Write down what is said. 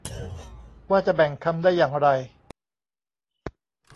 ว่าจะแบ่งคำได้อย่างไร